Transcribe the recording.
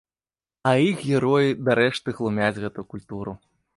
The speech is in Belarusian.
А іх героі дарэшты глумяць гэтую культуру.